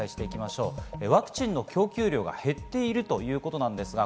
ワクチンの供給量が減っているということです。